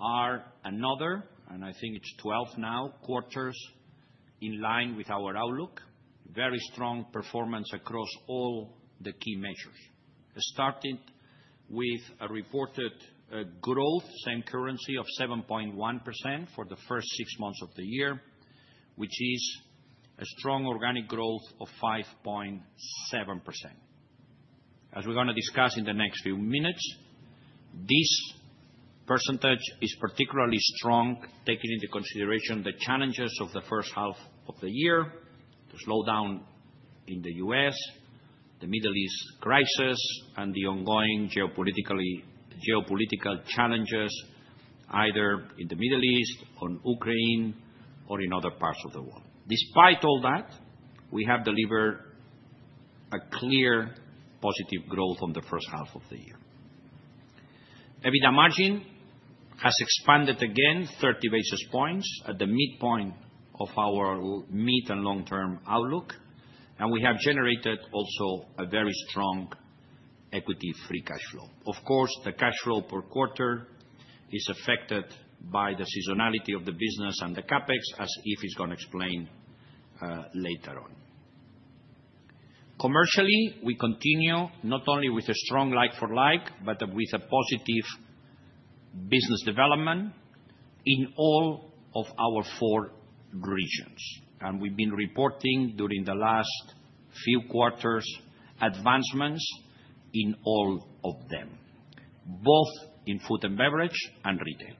are another, and I think it's 12 now, quarters in line with our outlook. Very strong performance across all the key measures, starting with a reported growth same currency of 7.1% for the first six months of the year, which is a strong organic growth of 5.7%. As we're going to discuss in the next few minutes, this percentage is particularly strong taking into consideration the challenges of the first half of the year, the slowdown in the U.S., the Middle East crisis, and the ongoing geopolitical challenges either in the Middle East, in Ukraine, or in other parts of the world. Despite all that, we have delivered a clear positive growth in the first half of the year. EBITDA margin has expanded again 30 basis points at the midpoint of our mid and long term outlook, and we have generated also a very strong equity free cash flow. Of course, the cash flow per quarter is affected by the seasonality of the business and the CapEx, as Yves is going to explain later on. Commercially, we continue not only with a strong like for like but with a positive business development in all of our four regions, and we've been reporting during the last few quarters advancements in all of them, both in food and beverage and retail,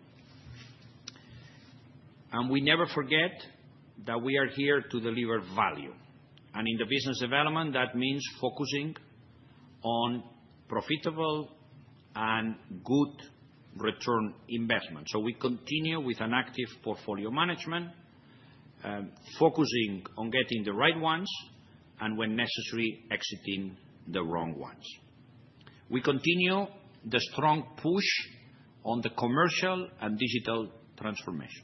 and we never forget that we are here to deliver value, and in the business development that means focusing on profitable and good return investment. We continue with an active portfolio management focusing on getting the right ones and, when necessary, exiting the wrong ones. We continue the strong push on the commercial and digital transformation.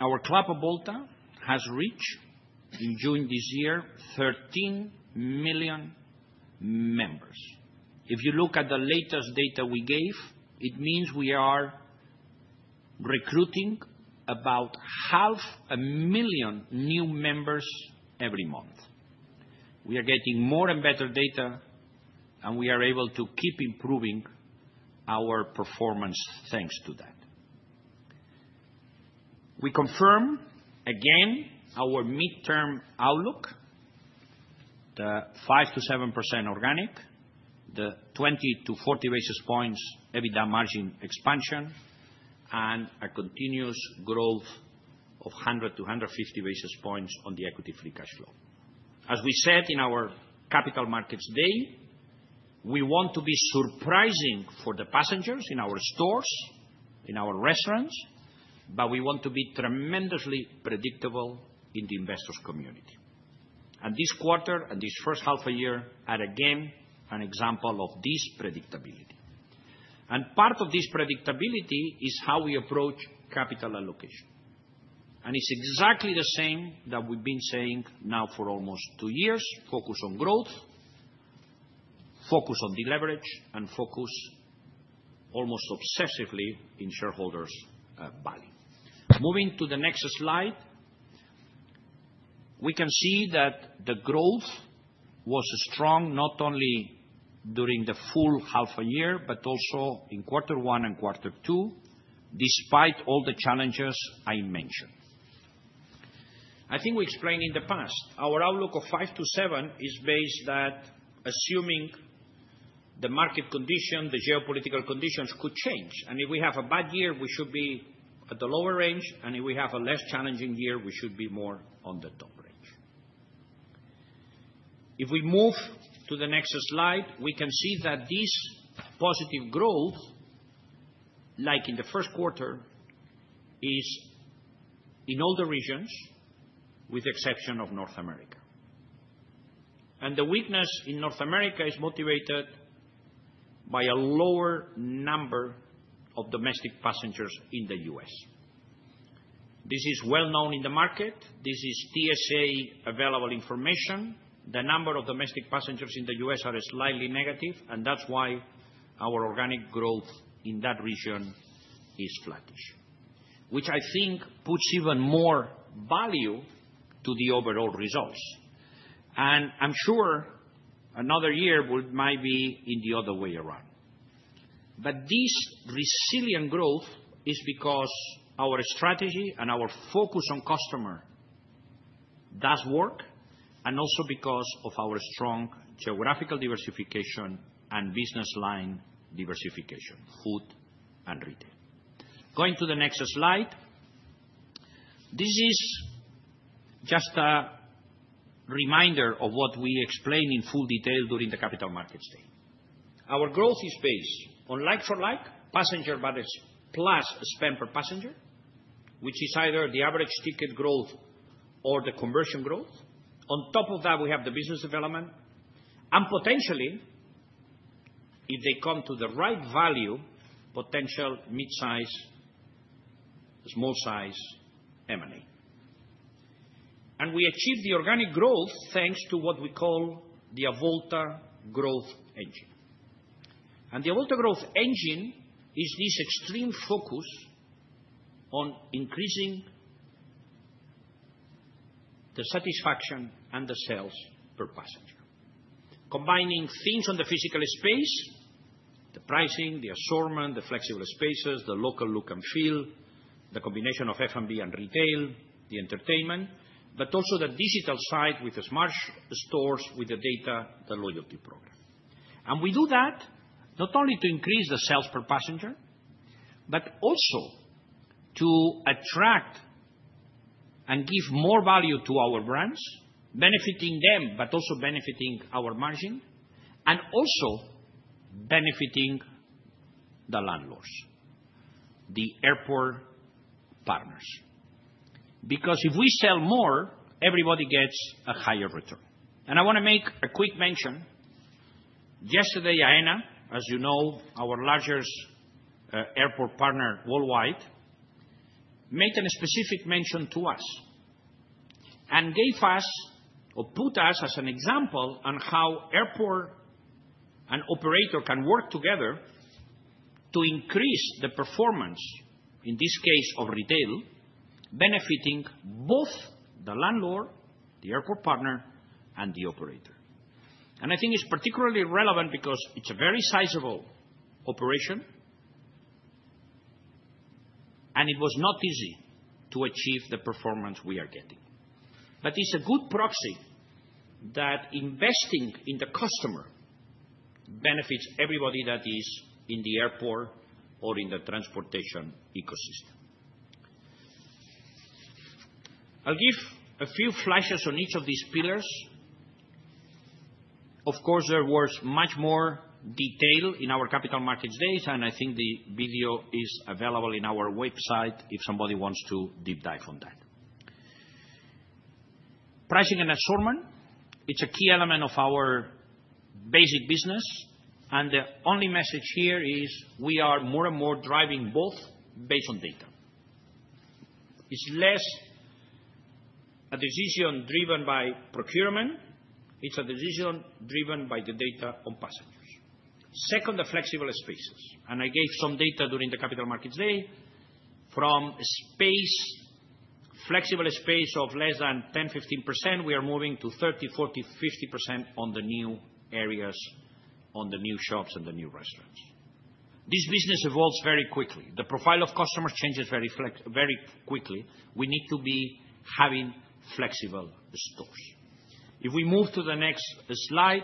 Our Club Avolta has reached in June this year 13 million members. If you look at the latest data we gave, it means we are recruiting about half a million new members every month. We are getting more and better data, and we are able to keep improving our performance. Thanks to that, we confirm again our mid term outlook. The 5%-7% organic, the 20-40 basis points EBITDA margin expansion, and a continuous growth of 100-150 basis points on the equity free cash flow. As we said in our capital markets day, we want to be surprising for the passengers in our stores, in our restaurants, but we want to be tremendously predictable in the investors community. This quarter and this first half a year are again an example of this predictability. Part of this predictability is how we approach capital allocation. It's exactly the same that we've been saying now for almost two years. Focus on growth, focus on deleverage, and focus almost obsessively in shareholders value. Moving to the next slide, we can see that the growth was strong not only during the full half a year but also in quarter one and quarter two, despite all the challenges I mentioned. I think we explained in the past our outlook of 5%-7% is based at assuming the market condition. The geopolitical conditions could change, and if we have a bad year, we should be at the lower range. If we have a less challenging year, we should be more on the top range. If we move to the next slide, we can see that this positive growth, like in the first quarter, is in all the regions with the exception of North America. The weakness in North America is motivated by a lower number of domestic passengers in the U.S. This is well known in the market. This is TSA available information. The number of domestic passengers in the U.S. are slightly negative, and that's why our organic growth in that region is flattish, which I think puts even more value to the overall results. I'm sure another year might be in the other way around. This resilient growth is because our strategy and our focus on customer does work and also because of our strong geographical diversification and business line diversification. Food and retail. Going to the next slide, this is just a reminder of what we explained in full detail during the capital markets day. Our growth is based on like-for-like passenger, but it's plus spend per passenger, which is either the average ticket growth or the conversion growth. On top of that, we have the business development and potentially, if they come to the right value, potential mid-size, small-size M&A, and we achieve the organic growth thanks to what we call the Avolta growth engine. The Avolta growth engine is this extreme focus on increasing the satisfaction and the sales per passenger. Combining things on the physical space, the pricing, the assortment, the flexible spaces, the local look and feel, the combination of F&b and retail, the entertainment, but also the digital side with the smart stores, with the data, the loyalty program. We do that not only to increase the sales per passenger, but also to attract and give more value to our brands, benefiting them, but also benefiting our margin and also benefiting the landlords, the airport partners. If we sell more, everybody gets a higher return. I want to make a quick mention, yesterday, as you know, our largest airport partner worldwide made a specific mention to us and gave us or put us as an example on how airport and operator can work together to increase the performance in this case of retail, benefiting both the landlord, the airport partner and the operator. I think it's particularly relevant because it's a very sizable operation and it was not easy to achieve the performance we are getting. It's a good proxy that investing in the customer benefits everybody that is in the airport or in the transportation ecosystem. I'll give a few flashes on each of these pillars. Of course, there was much more detail in our capital markets days and I think the video is available in our website if somebody wants to deep dive on that. Pricing and assortment is a key element of our basic business and the only message here is we are more and more driving both based on data. It's less a decision driven by procurement, it's a decision driven by the data on passengers. Second, the flexible spaces. I gave some data during the capital markets day from space flexible space of less than 10%, 15%. We are moving to 30%, 40%, 50% on the new areas, on the new shops and the new restaurants. This business evolves very quickly. The profile of customers changes very quickly. We need to be having flexible stores if we move to the next slide.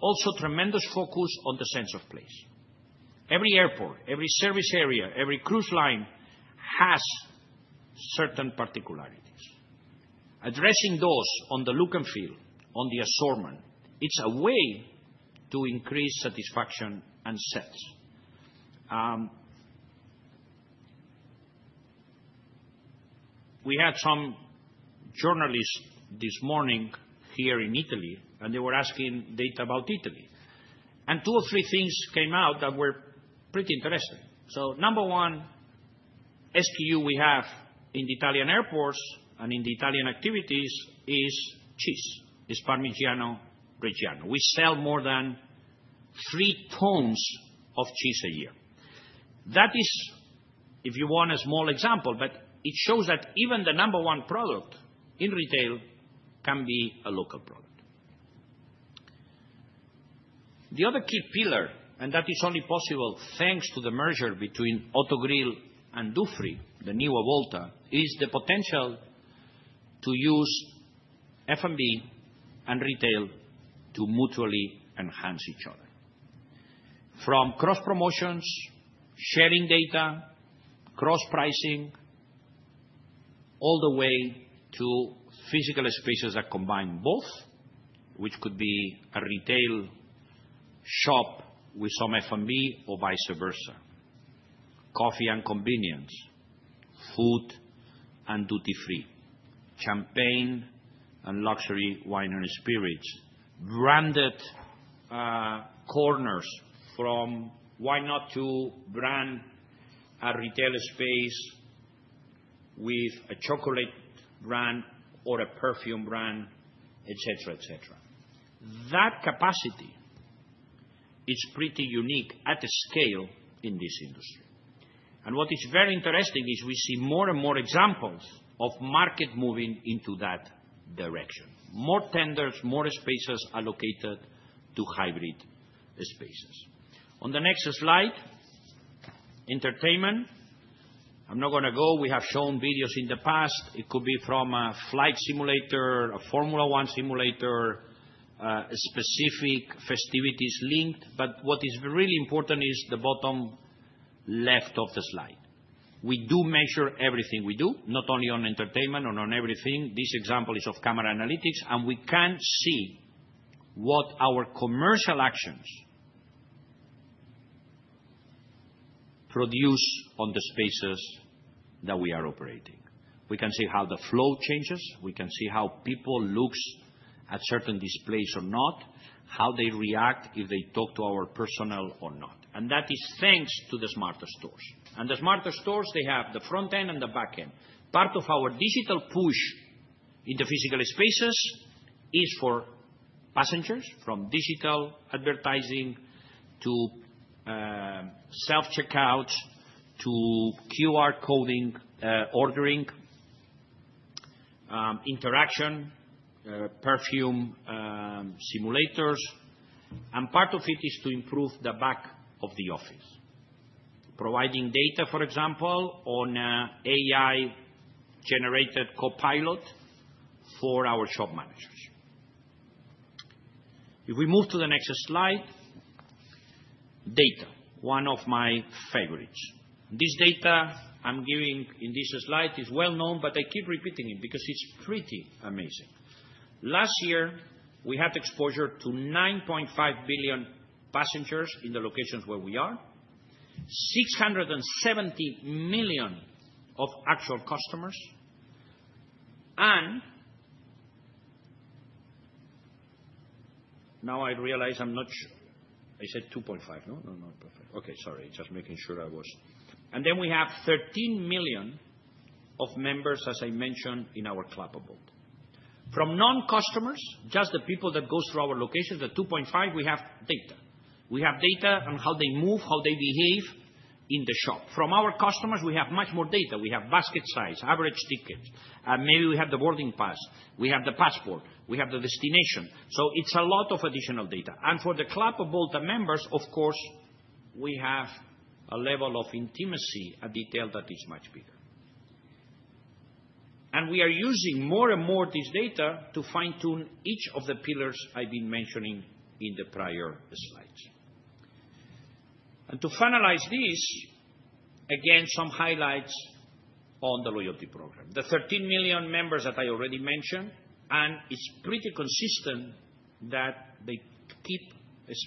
Also, tremendous focus on the sense of place. Every airport, every service area, every cruise line has certain particularities. Addressing those on the look and feel, on the assortment, is a way to increase satisfaction and sales. We had some journalists this morning here in Italy and they were asking data about Italy and two or three things came out that were pretty interesting. Number one, SKU we have in the Italian airports and in the Italian activities is cheese, is Parmigiano Reggiano. We sell more than 3 tons of cheese a year. That is if you want a small example, but it shows that even the number one product in retail can be a local product, the other key pillar. That is only possible thanks to the merger between Autogrill and Dufry. The new Avolta is the potential to use F&B and retail to mutually enhance each other. From cross promotions, sharing data, cross pricing, all the way to physical spaces that combine both, which could be a retail shop with some F&B or vice versa. Coffee and convenience food and duty free champagne and luxury wine and spirits branded corners from why not to brand a retail space with a chocolate brand or a perfume brand, et cetera, et cetera. That capacity is pretty unique at a scale in this industry. What is very interesting is we see more and more examples of market moving into that direction. More tenders, more spaces allocated to hybrid spaces. On the next slide. Entertainment. I'm not going to go. We have shown videos in the past. It could be from a flight simulator, a Formula One simulator, specific festivities linked. What is really important is the bottom left of the slide. We do measure everything. We do not only on entertainment and on everything. This example is of camera analytics and we can see what our commercial actions produce on the spaces that we are operating. We can see how the flow changes. We can see how people look at certain displays or not, how they react if they talk to our personnel or not. That is thanks to the smart stores and the smarter stores. They have the front end and the back end. Part of our digital push in the physical spaces is for passengers from digital advertising to self checkouts to QR coding, ordering, interaction, perfume simulators. Part of it is to improve the back of the office, providing data for example on AI generated copilot for our shop managers. If we move to the next slide. Data, one of my favorites. This data I'm giving in this slide is well known, but I keep repeating it because it's pretty amazing. Last year we had exposure to 9.5 billion passengers in the locations where we are, 670 million of actual customers. Now I realize I said 2.5. No, okay, sorry. Just making sure I was. Then we have 13 million of members as I mentioned in our Club Avolta from non customers, just the people that go through our locations. At 2.5 we have data. We have data on how they move, how they behave in the shop. From our customers we have much more data. We have basket size, average ticket, maybe we have the boarding pass, we have the passport, we have the destination. It's a lot of additional data. For the Club Avolta members, of course, we have a level of intimacy, a detail that is much bigger. We are using more and more of this data to fine-tune each of the pillars I've been mentioning in the prior slides. To finalize this, again, some highlights on the loyalty program: the 13 million members that I already mentioned. It's pretty consistent that they keep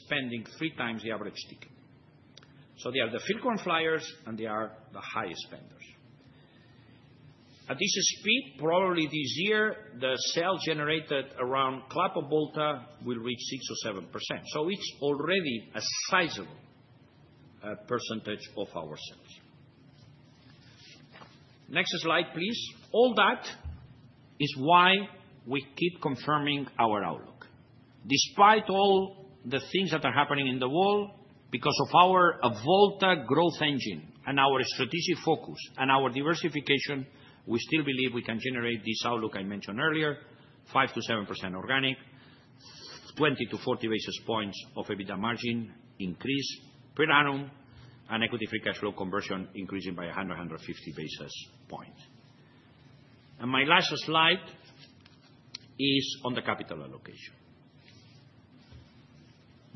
spending three times the average ticket. They are the frequent flyers and they are the highest spenders. At this speed, probably this year the sale generated around Club Avolta will reach 6% or 7%. It's already a sizable percentage of our sales. Next slide, please. All that is why we keep confirming our outlook. Despite all the things that are happening in the world, because of our Avolta growth engine and our strategic focus and our diversification, we still believe we can generate this outlook I mentioned earlier: 5%-7% organic, 20-40 basis points of EBITDA margin increase per annum, and equity free cash flow conversion increasing by 150 basis points. My last slide is on the capital allocation.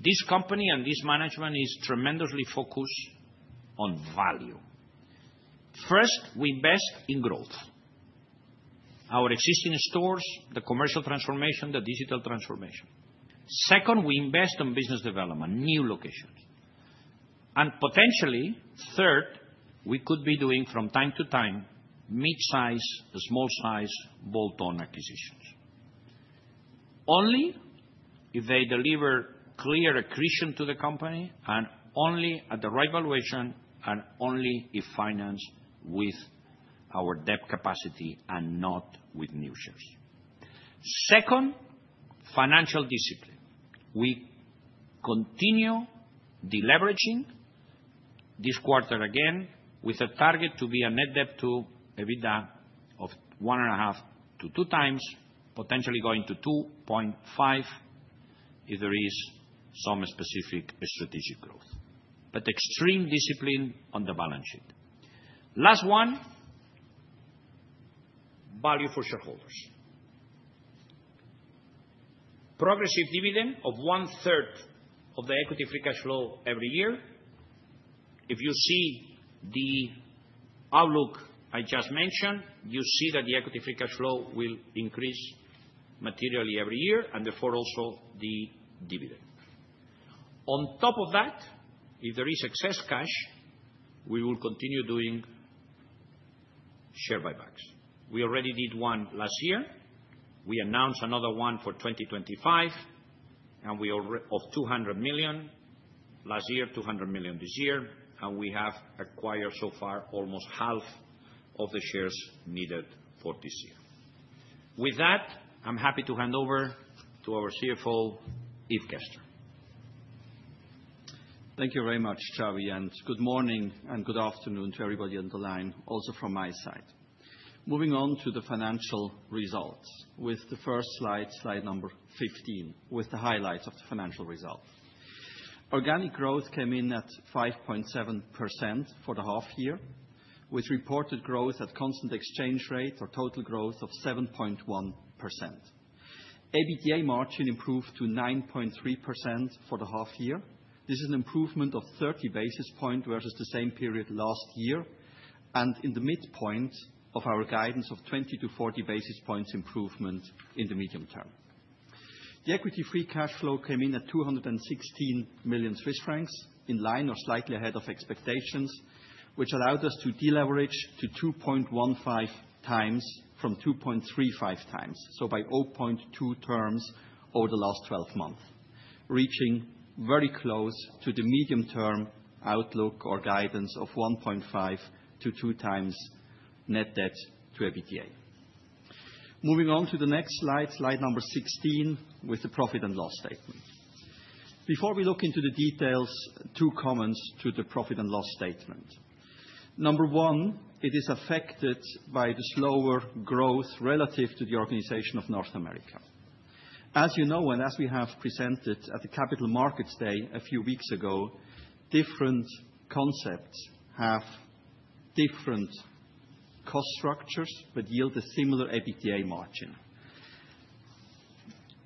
This company and this management is tremendously focused on value. First, we invest in growth, our existing stores, the commercial transformation, the digital transformation. Second, we invest in business development, new locations and potentially. Third, we could be doing from time to time mid-size, small-size bolt-on acquisitions only if they deliver clear accretion to the company and only at the right valuation, and only if financed with our debt capacity and not with new shares. Second, financial discipline. We continue deleveraging this quarter again with a target to be a net debt/EBITDA of 1.5-2 times, potentially going to 2.5 if there is some specific strategic growth, but extreme discipline on the balance sheet. Last one, value for shareholders. Progressive dividend of one-third of the equity free cash flow every year. If you see the outlook I just mentioned, you see that the equity free cash flow will increase materially every year and therefore also the dividend. On top of that, if there is excess cash, we will continue doing share buybacks. We already did one last year. We announced another one for 2025, and we have 200 million last year, 200 million this year, and we have acquired so far almost half of the shares needed for this year. With that, I'm happy to hand over to our CFO Yves Gerster. Thank you very much, Xavi, and good morning and good afternoon to everybody on the line. Also from my side, moving on to the financial results with the first slide. Slide number 15 with the highlights of the financial result. Organic growth came in at 5.7% for the half year with reported growth at constant exchange rate or total growth of 7.1%. EBITDA margin improved to 9.3% for the half year. This is an improvement of 30 basis points versus the same period last year and in the midpoint of our guidance of 20-40 basis points improvement in the medium term. The equity free cash flow came in at 216 million Swiss francs, in line or slightly ahead of expectations, which allowed us to deleverage to 2.15 times from 2.35 times, by 0.2 turns over the last 12 months, reaching very close to the medium term outlook or guidance of 1.5-2 times net debt/EBITDA. Moving on to the next slide, slide number 16, with the profit and loss statement. Before we look into the details, two comments to the profit and loss statement. Number one, it is affected by the slower growth relative to the organization of North America. As you know, and as we have presented at the Capital Markets Day a few weeks ago, different concepts have different cost structures but yield a similar EBITDA margin.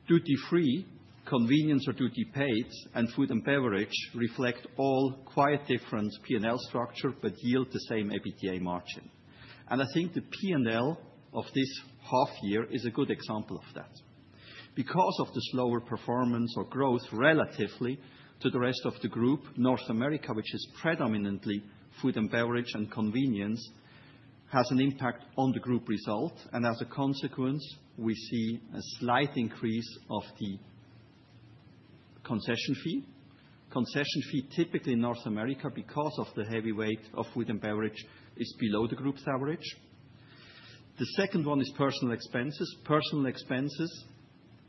Duty free, convenience or duty paid, and food and beverage reflect all quite different P&L structure but yield the same EBITDA margin, and I think the P&L of this half year is a good example of that. Because of the slower performance or growth relative to the rest of the group, North America, which is predominantly food and beverage and convenience, has an impact on the group result, and as a consequence, we see a slight increase of the concession fee. Concession fee, typically in North America, because of the heavy weight of food and beverage, is below the group's average. The second one is personnel expenses. Personnel expenses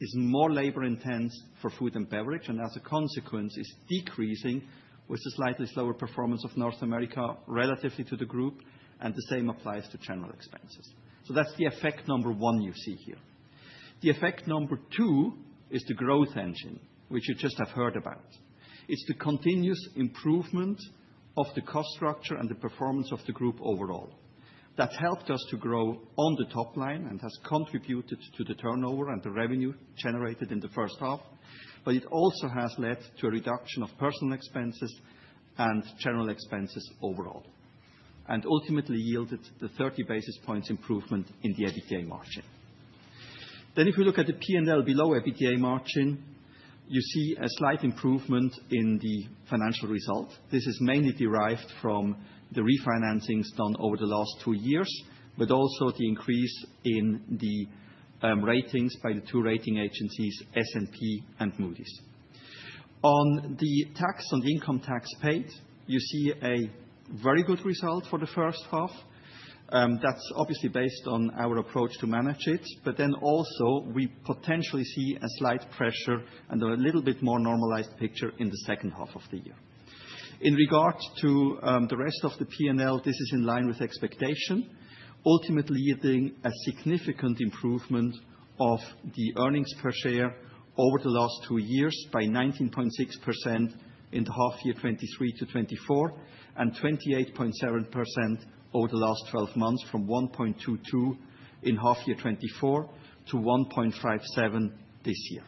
is more labor intense for food and beverage and as a consequence is decreasing with the slightly slower performance of North America relative to the group, and the same applies to general expenses. That is the effect number one you see here. The effect number two is the growth engine which you just have heard about. It's the continuous improvement of the cost structure and the performance of the group overall that helped us to grow on the top line and has contributed to the turnover and the revenue generated in the first half. It also has led to a reduction of personnel expenses and general expenses overall, and ultimately yielded the 30 basis points improvement in the EBITDA margin. If you look at the P&L below EBITDA margin, you see a slight improvement in the financial result. This is mainly derived from the refinancings done over the last two years, but also the increase in the ratings by the two rating agencies S&P and Moody's. On the income tax paid, you see a very good result for the first half that's obviously based on our approach to manage it. We potentially see a slight pressure and a little bit more normalized picture in the second half of the year. In regards to the rest of the P&L, this is in line with expectation, ultimately leading to a significant improvement of the earnings per share over the last two years by 19.6% in the half year 2023-2024 and 28.7% over the last 12 months from 1.22 in half year 2024 to 1.57 this year.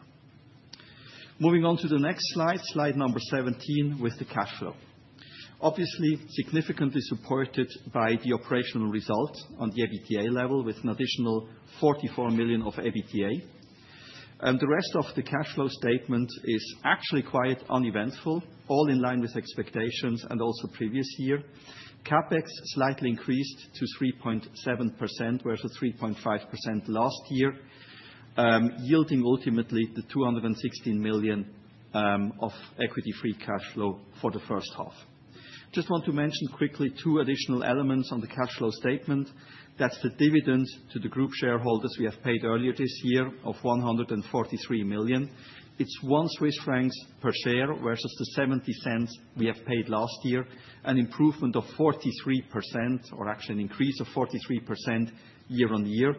Moving on to the next slide, slide number 17, with the cash flow obviously significantly supported by the operational result on the EBITDA level with an additional 44 million of EBITDA, the rest of the cash flow statement is actually quite uneventful, all in line with expectations. Previous year CapEx slightly increased to 3.7% versus 3.5% last year, yielding ultimately the 216 million of equity free cash flow for the first half. I just want to mention quickly two additional elements on the cash flow statement. That's the dividend to the group shareholders we have paid earlier this year of 143 million. It's 1 Swiss franc per share versus the 0.70 we have paid last year, an increase of 43% year on year.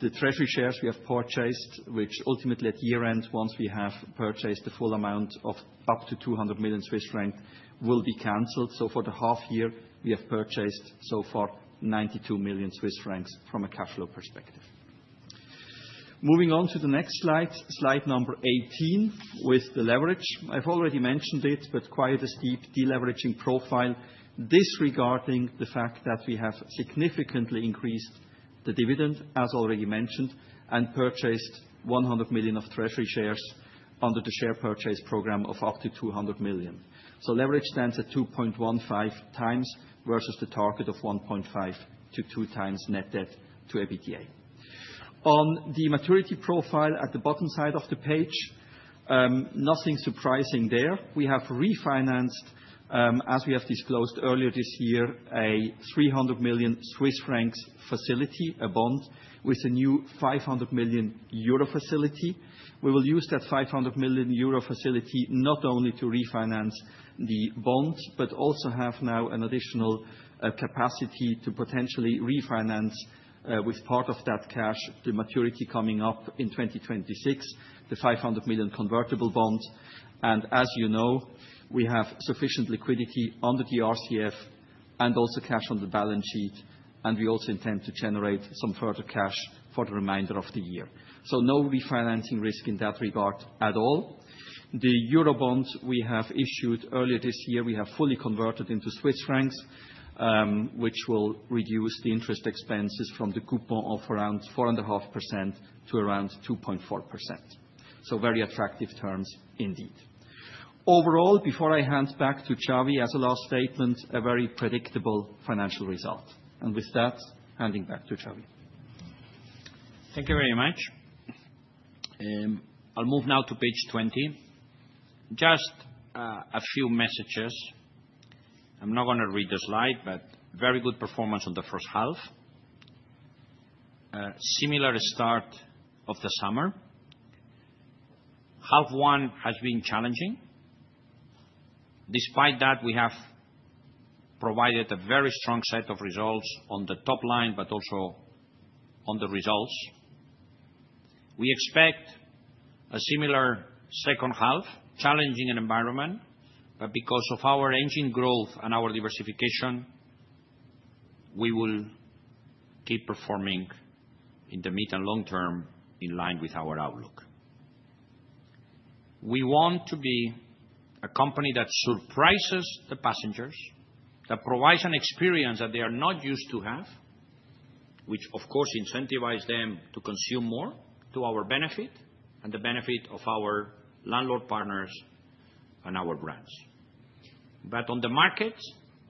The treasury shares we have purchased, which ultimately at year end once we have purchased the full amount of up to 200 million Swiss francs, will be cancelled. For the half year, we have purchased so far 92 million Swiss francs from a cash flow perspective. Moving on to the next slide, slide number 18, with the leverage, I've already mentioned it, but quite a steep deleveraging profile. Disregarding the fact that we have significantly increased the dividend as already mentioned, purchased 100 million of treasury shares under the share purchase program of up to 200 million. Leverage stands at 2.15 times versus the target of 1.5-2 times net debt/EBITDA. On the maturity profile at the bottom side of the page, nothing surprising there. We have refinanced, as we have disclosed earlier this year, a 300 million Swiss francs facility, a bond, with a new 500 million euro facility. We will use that 500 million euro facility not only to refinance the bond, but also now have additional capacity to potentially refinance, with part of that cash, the maturity coming up in 2026, the 500 million convertible bond. As you know, we have sufficient liquidity under the RCF and also cash on the balance sheet. We also intend to generate some further cash for the remainder of the year. There is no refinancing risk in that regard at all. The Eurobonds we have issued earlier this year we have fully converted into Swiss francs, which will reduce the interest expenses from the coupon of around 4.5% to around 2.4%. Very attractive terms indeed. Overall, before I hand back to Xavi as a last statement, a very predictable financial result, and with that, handing back to Xavi. Thank you very much. I'll move now to page 20. Just a few messages. I'm not going to read the slide, but very good performance on the first half. Similar start of the summer. Half one has been challenging. Despite that, we have provided a very strong set of results on the top line, but also on the results. We expect a similar second half challenging environment. Because of our engine growth and our diversification, we will keep performing in the mid and long term in line with our outlook. We want to be a company that surprises the passengers, that provides an experience that they are not used to have, which of course incentivizes them to consume more to our benefit and the benefit of our landlord partners, our brands. On the market,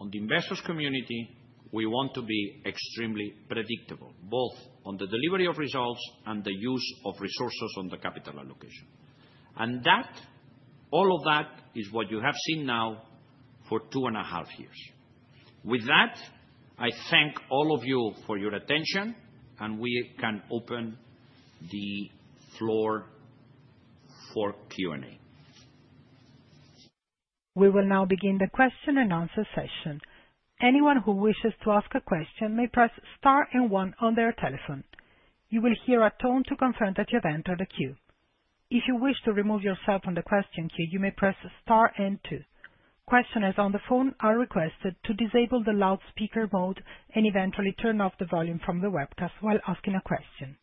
on the investors community, we want to be extremely predictable, both on the delivery of results and the use of resources, on the capital allocation. All of that is what you have seen now for two and a half years. With that, I thank all of you for your attention and we can open the floor for Q and A. We will now begin the question-and-answer session. Anyone who wishes to ask a question may press star and one on their telephone. You will hear a tone to confirm that you have entered the queue. If you wish to remove yourself from the question queue, you may press star two. Questioners on the phone are requested to disable the loudspeaker mode and eventually turn off the volume from the webcast while asking a question.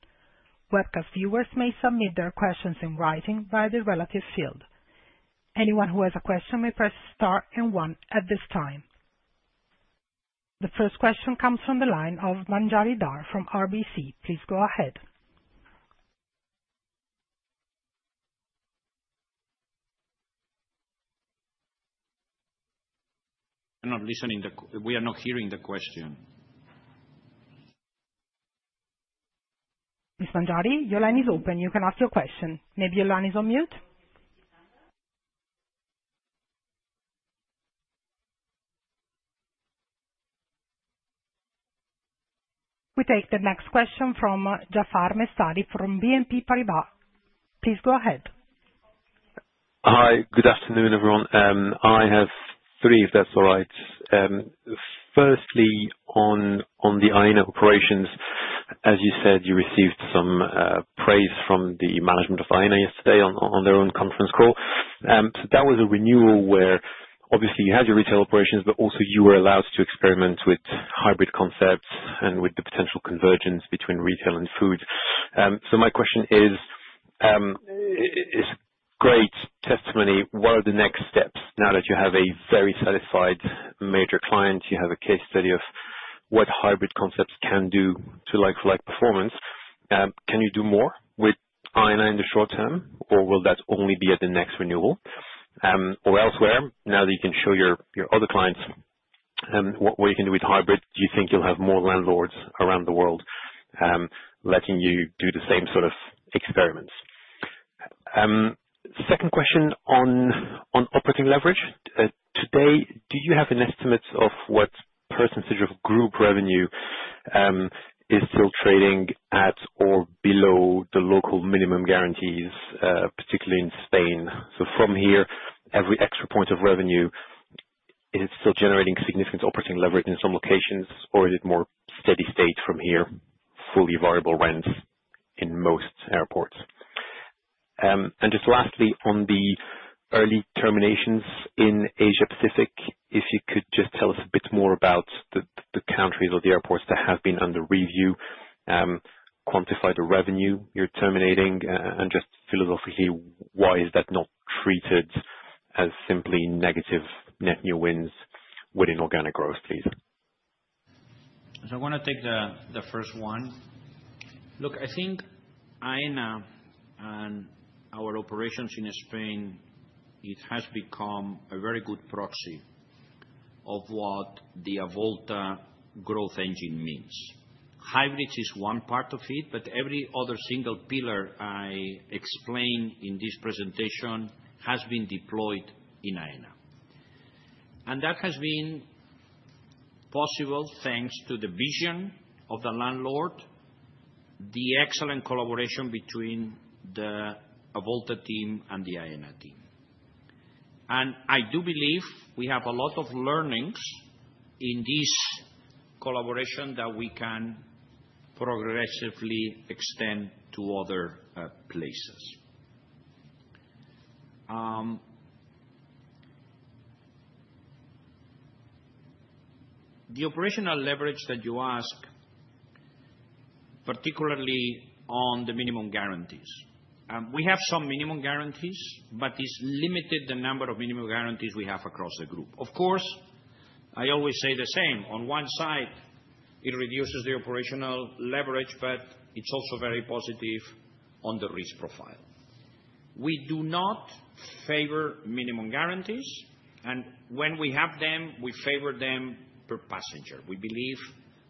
Webcast viewers may submit their questions in writing via the relative field. Anyone who has a question may press star and one at this time. The first question comes from the line of Manjari Dhar from RBC. Please go ahead. We are not hearing the question. Ms. Manjari, your line is open. You can ask your question. Maybe your line is on mute. We take the next question from Jaafar Mestari from BNP Paribas, please go ahead. Hi, good afternoon, everyone. I have three, if that's all right. Firstly, on the AENA operations, as you said, you received some praise from the management of AENA yesterday on their own conference call. That was a renewal where obviously you had your retail operations, but also you were allowed to experiment with hybrid concepts and with the potential convergence between retail and food. My question is, great testimony. What are the next steps? Now that you have a very satisfied major client, you have a case study of what hybrid concepts can do to like-for-like performance. Can you do more with AENA in the short term, or will that only be at the next renewal or elsewhere? Now that you can show your other clients what you can do with hybrid, do you think you'll have more landlords around the world letting you do the same sort of experiments? Second question, on operating leverage today, do you have an estimate of what perfcentage of group revenue is still trading at or below the local minimum guarantees, particularly in Spain? From here, every extra point of revenue, is it still generating significant operating leverage in some locations, or is it more steady state from here, fully variable rents in most airports? Lastly, on the early terminations in Asia Pacific, if you could just tell us a bit more about the countries or the airports that have been under review, quantify the revenue you're terminating, and just philosophically, why is that not treated as simply negative? Net new wins within organic growth, please. I want to take the first one. Look, I think AENA and our operations in Spain, it has become a very good proxy of what the Avolta growth engine means. Hybrids is one part of it, but every other single pillar I explain in this presentation has been deployed in AENA. That has been possible thanks to the vision of the landlord, the excellent collaboration between the Avolta team and the AENA team. I do believe we have a lot of learnings in this collaboration that we can progressively extend to other places. The operational leverage that you ask, particularly on the minimum guarantees. We have some minimum guarantees, but it's limited the number of minimum guarantees we have across the group. Of course, I always say the same. On one side, it reduces the operational leverage, but it's also very positive on the risk profile. We do not favor minimum guarantees and when we have them, we favor them per passenger. We believe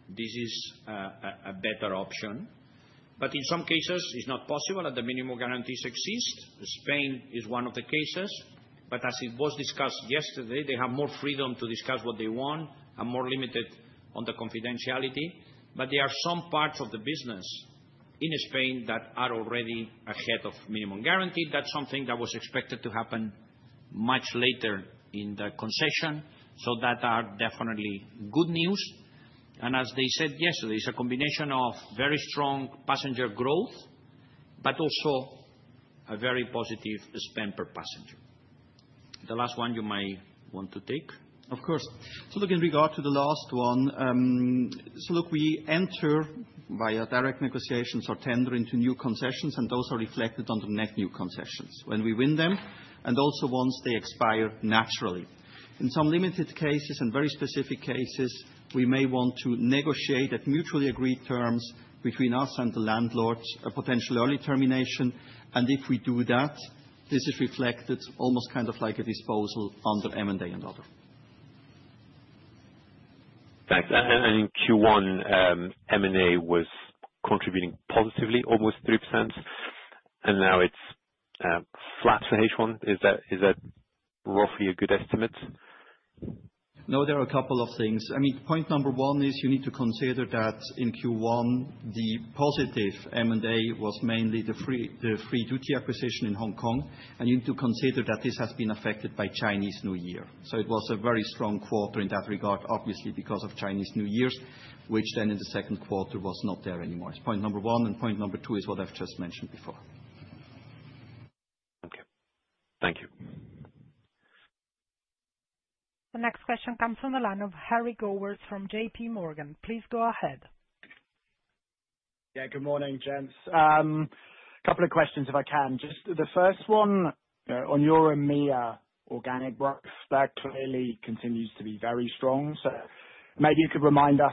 this is a better option, but in some cases it's not possible that the minimum guarantees exist. Spain is one of the cases, but as it was discussed yesterday, they have more freedom to discuss what they want, a more limited the confidentiality. There are some parts of the business in Spain that are already ahead of minimum guarantee. That's something that was expected to happen much later in the concession. That is definitely good news. As they said yesterday, it's a combination of very strong passenger growth, but also a very positive spend per passenger. The last one you might want to. In regard to the last one, we enter via direct negotiations or tender into new concessions, and those are reflected under net new concessions when we win them and also once they expire naturally. In some limited cases and very specific cases, we may want to negotiate at mutually agreed terms between us and the landlord, a potential early termination. If we do that, this is reflected almost kind of like a disposal under M&A and other. Thanks. In Q1, M&A was contributing positively almost 3% and now it's flat for H1. Is that roughly a good estimate? No, there are a couple of things. I mean, point number one is you need to consider that in Q1 the positive M&A was mainly the duty free acquisition in Hong Kong. You need to consider that this has been affected by Chinese New Year. It was a very strong quarter in that regard, obviously because of Chinese New Year, which in the second quarter was not there anymore. It's point number one. Point number two is what I've just mentioned before. Okay, thank you. The next question comes from the line of Harry Gowers from JPMorgan. Please go ahead. Yeah, good morning, gents. A couple of questions, if I can. The first one, on your EMEA organic growth, that clearly continues to be very strong, so maybe you could remind us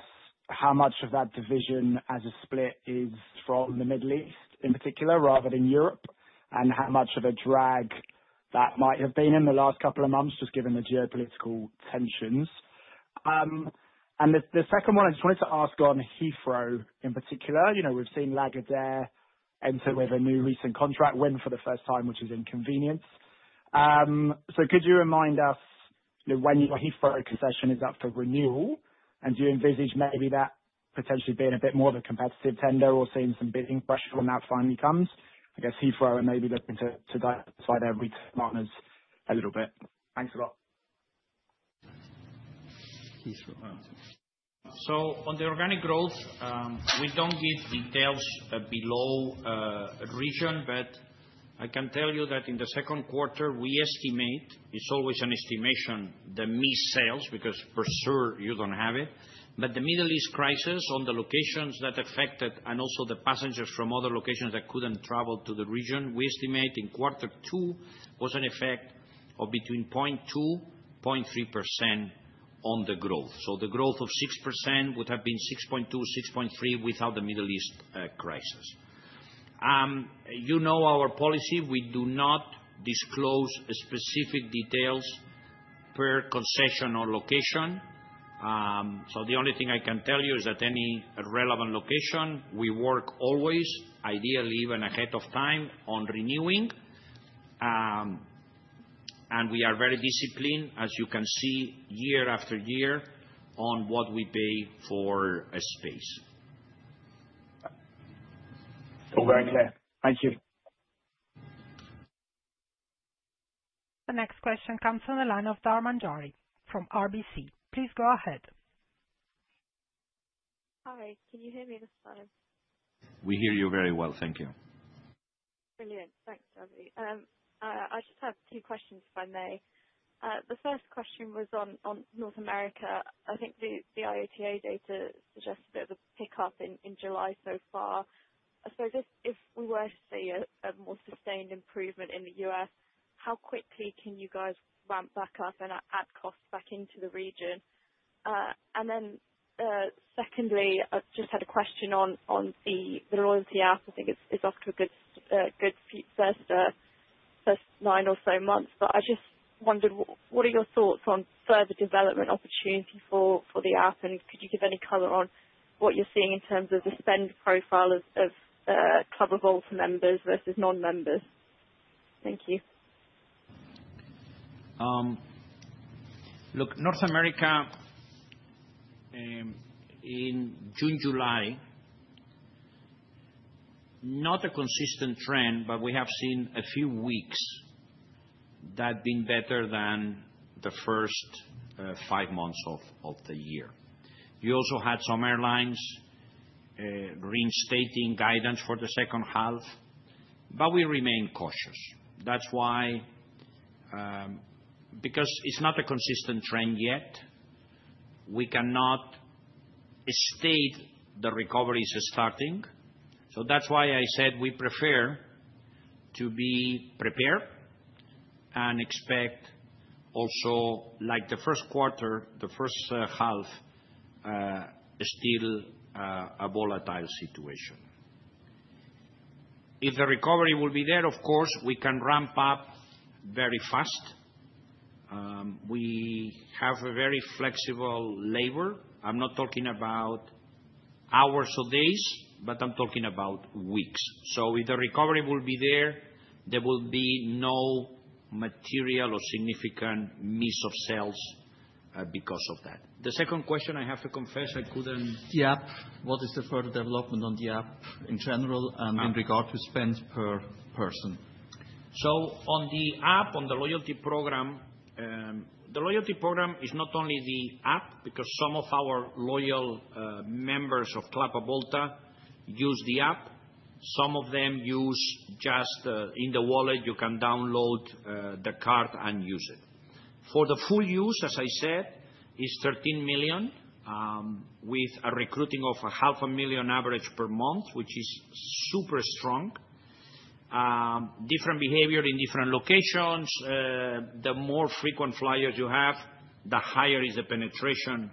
how much of that division as a split is from the Middle East in particular rather than Europe, and how much of a drag that might have been in the last couple of months, just given the geopolitical tensions. The second one I just wanted to ask, on Heathrow in particular, you know, we've seen Lagardère enter with a new recent contract win for the first time, which is inconvenient. Could you remind us when your Heathrow concession is up for renewal? Do you envisage maybe that potentially being a bit more of a competitive tender or seeing some bidding pressure when that finally comes? I guess Heathrow are maybe looking to diversify their retail partners a little bit. Thanks a lot. Heathrow. On the organic growth, we don't give details below region, but I can tell you that in the second quarter we estimate, it's always an estimation, the missed sales because for sure you don't have it. The Middle East crisis on the locations that affected and also the passengers from other locations that couldn't travel to the region, we estimate in quarter two was an effect of between 0.2%-0.3% on the growth. The growth of 6% would have been 6.2%-6.3% without the Middle East crisis. You know our policy, we do not disclose specific details per concession or location. The only thing I can tell you is that any relevant location, we work always ideally even ahead of time on renewing, and we are very disciplined, as you can see year-after-year, on what we pay for a space. Very clear. Thank you. The next question comes from the line of Dhar Manjari from RBC. Please go ahead. Hi, can you hear me this time? We hear you very well. Thank you. Brilliant. Thanks, Xavi. I just have two questions. The first question was on North America. I think the IATA data suggests a bit of a pickup in July so far. I suppose if we were to see a more sustained improvement in the U.S., how quickly can you guys ramp back up and add costs back into the region? I just had a question on the loyalty app. I think it's off to a good start, good first nine or so months. I just wondered what are your thoughts on further development opportunity for the app, and could you give any color on what you're seeing in terms of the spend profile of Club Avolta members versus non-members. Thank you. Look, North America in June, July, not a consistent trend. We have seen a few weeks that have been better than the first five months of the year. You also had some airlines reinstating guidance for the second half. We remain cautious. That's why, because it's not a consistent trend yet, we cannot state the recovery is starting. That's why I said we prefer to be prepared and expect, also like the first quarter, the first half still a volatile situation. If the recovery will be there, of course we can ramp up very fast. We have a very flexible labor. I'm not talking about hours or days, but I'm talking about weeks. If the recovery will be there, there will be no material or significant miss of sales because of that. The second question I have to confess. I couldn't get the app, what is the further development on the app in general and in regard to spend per person? On the app, on the loyalty program. The loyalty program is not only the app because some of our loyal members of Club Avolta use the app. Some of them use just in the wallet. You can download the card and use it for the full use. As I said, it is 13 million with a recruiting of half a million average per month, which is super strong. Different behavior in different locations. The more frequent flyers you have, the higher is the penetration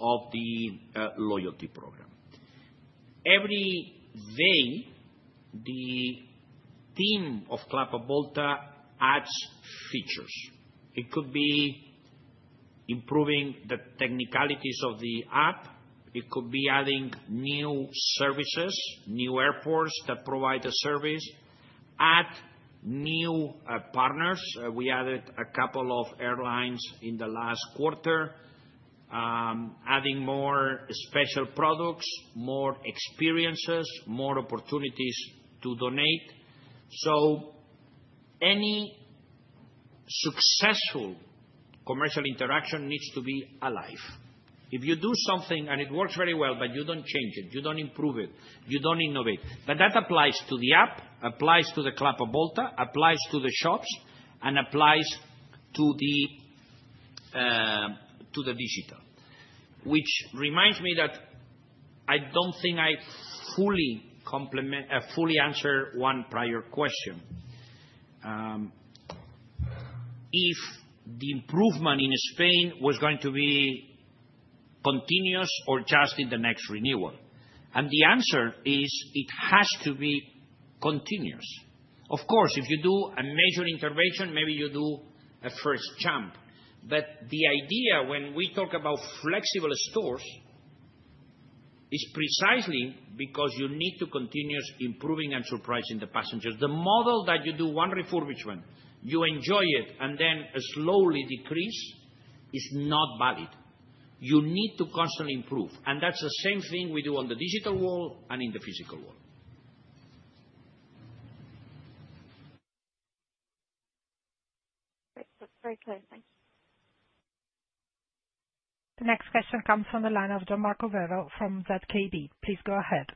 of the loyalty program. Every day the team of Club Avolta adds features. It could be improving the technicalities of the app, it could be adding new services, new airports that provide the service, add new partners. We added a couple of airlines in the last quarter, adding more special products, more experiences, more opportunities to donate. Any successful commercial interaction needs to be alive. If you do something and it works very well, but you don't change it, you don't improve it, you don't innovate. That applies to the app, applies to the Club Avolta, applies to the shops and applies to the digital. Which reminds me that I don't think I fully answered one prior question. If the improvement in Spain was going to be continuous or just in the next renewal, and the answer is it has to be continuous. Of course, if you do a major intervention, maybe you do a first jump. The idea when we talk about flexible stores is precisely because you need continuous improvement. The model that you do one refurbishment, you enjoy it and then slowly decrease is not valid. You need to constantly improve. That's the same thing we do in the digital world and in the physical world. Very clear, thank you. The next question comes from the line of Gian-Marco Werro from Zürcher Kantonalbank. Please go ahead.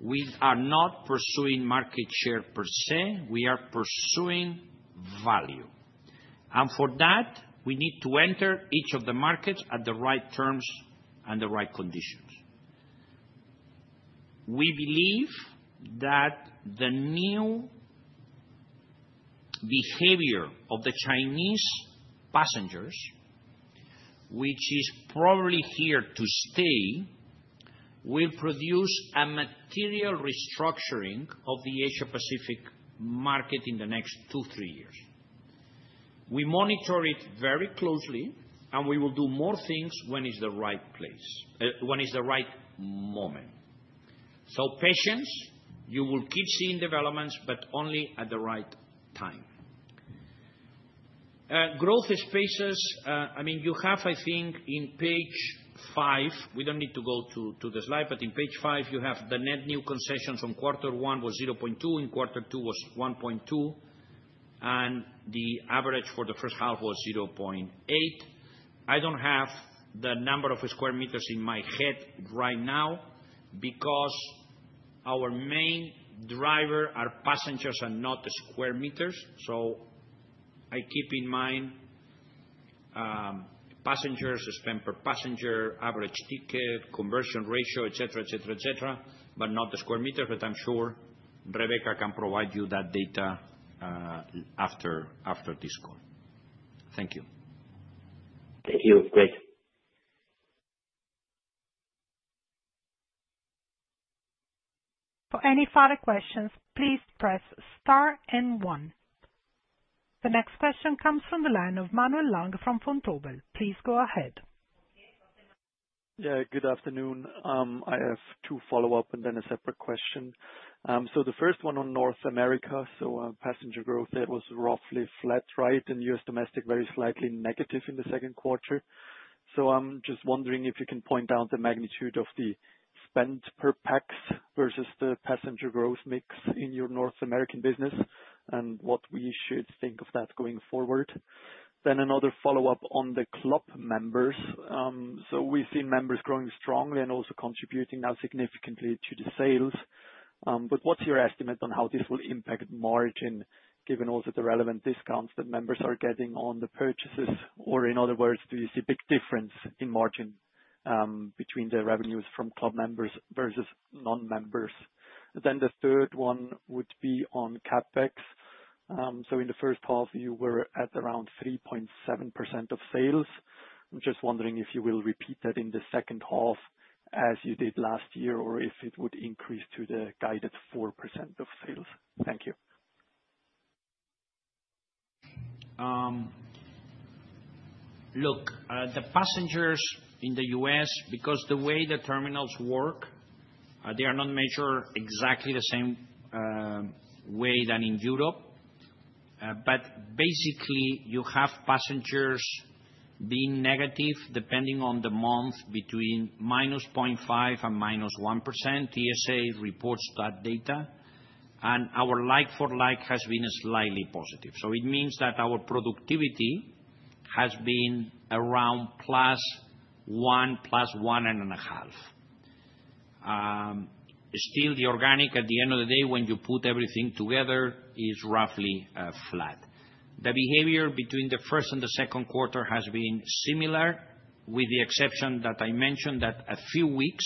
Value. For that we need to enter each of the markets at the right terms and the right conditions. We believe that the new behavior of the Chinese passengers, which is probably here to stay, will produce a material, material restructuring of the Asia Pacific market in the next two, three years. We monitor it very closely and we will do more things when it is the right place, when it is the right moment. Patience, you will keep seeing developments, but only at the right time. Growth spaces. I mean you have, I think in page five, we don't need to go to the slide, but in page five you have the net new concessions. In quarter 1 it was 0.2, in quarter 2 it was 1.2, and the average for the first half was 0.8. I don't have the number of square meters in my head right now because our main driver is passengers and not square meters. I keep in mind passenger spend per passenger, average ticket, conversion ratio, etc. etc. etc., but not the square meters. I'm sure Rebecca can provide you that data after this call. Thank you. Thank you. Great. For any further questions, please press star and one. The next question comes from the line of Manuel Lang from Vontobel. Please go ahead. Yeah, good afternoon. I have two follow up and then a separate question. The first one on North America, passenger growth was roughly flat, right? U.S. domestic very slightly negative in the second quarter. I'm just wondering if you can point out the magnitude of the spend per Pax versus the passenger growth mix in your North American business and what we should think of that going forward. Another follow up on the club members. We've seen members growing strongly and also contributing now significantly to the sales. What's your estimate on how this will impact margin given also the relevant discounts that members are getting on the purchases? In other words, do you see big difference in margin between the revenues from club members versus non members? The third one would be on CapEx. In the first half you were at around 3.7% of sales. I'm just wondering if you will repeat that in the second half as you did last year or if it would increase to the guided 4% of sales. Thank you. Look, the passengers in the U.S. because the way the terminals work, they are not measured exactly the same way as in Europe. Basically, you have passengers being negative depending on the month between -0.5% and -1%. TSA reports that data and our like for like has been slightly positive. It means that our productivity activity has been around +1% to +1.5%. Still, the organic at the end of the day when you put everything together is roughly flat. The behavior between the first and the second quarter has been similar with the exception that I mentioned that a few weeks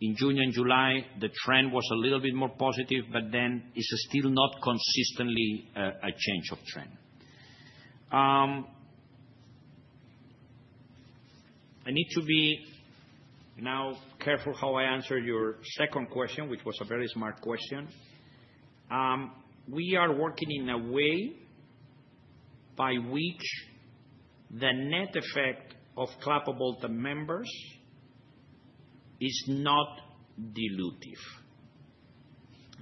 in June and July the trend was a little bit more positive. It is still not consistently a change of trend. I need to be careful how I answer your second question, which was a very smart question. We are working in a way by which the net effect of Club Avolta members is not dilutive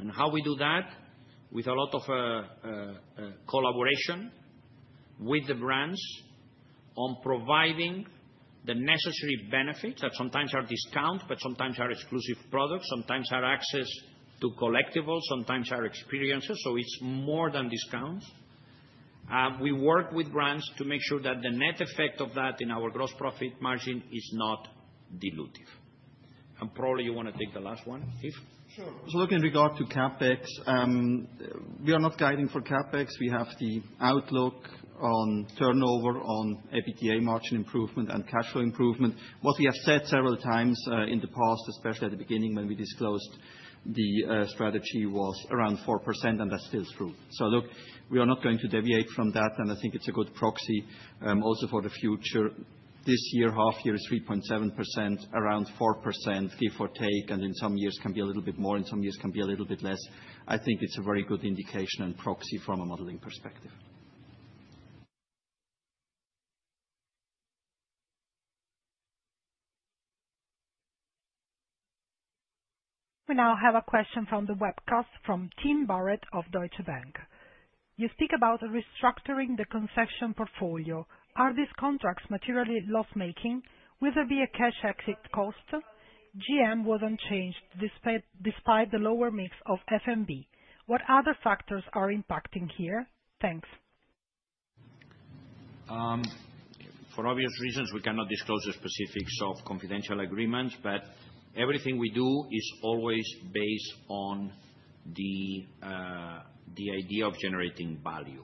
and how we do that with a lot of collaboration with the brands on providing the necessary benefits that sometimes are discounts but sometimes are exclusive products. Sometimes are access to collectibles, sometimes are experiences. It is more than discounts. We work with brands to make sure that the net effect of that in our gross profit margin is not dilutive. Probably you want to take the last one if sure. In regard to CapEx, we are not guiding for CapEx. We have the outlook on turnover, on EBITDA margin improvement, and cash flow improvement. What we have said several times in the past, especially at the beginning when we disclosed the strategy, was around 4% and that's still true. We are not going to deviate from that. I think it's a good proxy also for the future. This year half year is 3.7%, around 4% give or take, and in some years can be a little bit more and some years can be a little bit less. I think it's a very good indication and proxy from a modeling perspective. We now have a question from the webcast from Tim Barrett of Deutsche Bank. You speak about restructuring the concession portfolio. Are these contracts materially loss making? Will there be a cash exit cost? GM was unchanged despite the lower mix of food and beverage. What other factors are impacting here? Thanks. For obvious reasons we cannot disclose the specifics of confidential agreements. Everything we do is always based on the idea of generating value.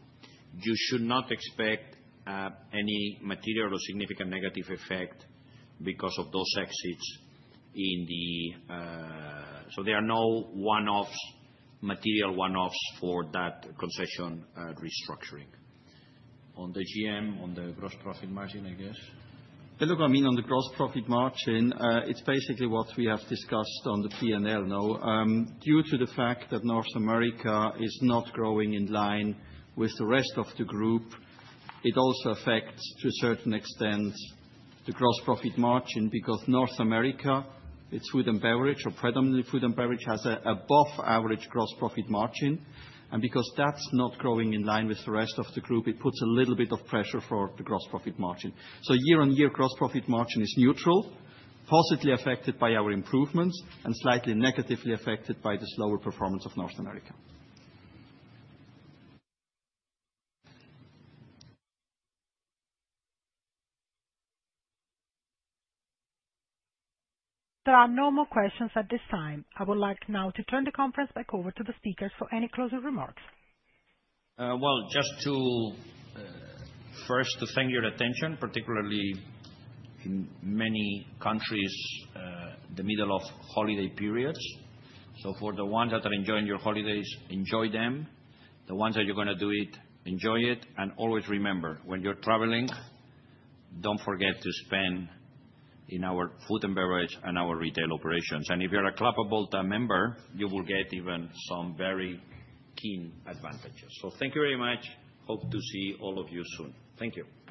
You should not expect any material or significant negative effect because of those exits, so there are no one-offs, material one-offs for that concession restructuring. On the GM, on the gross profit. Margin, I guess look, I mean on the gross profit margin, it's basically what we have discussed on the P&L. Now, due to the fact that North America is not growing in line with the rest of the group, it also affects to a certain extent the gross profit margin. Because North America, its food and beverage or predominantly food and beverage, has above average gross profit margin. Because that's not growing in line with the rest of the group, it puts a little bit of pressure for the gross profit margin. So. Year on year, gross profit margin is neutral, positively affected by our improvements and slightly negatively affected by the slower performance of North America. There are no more questions at this time. I would like now to turn the conference back over to the speakers for any closing remarks. First, thank you for your attention, particularly in many countries in the middle of holiday periods. For the ones that are enjoying your holidays, enjoy them. The ones that are going to do it, enjoy it. Always remember when you're traveling, don't forget to spend